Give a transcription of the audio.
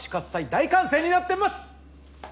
大歓声になってます！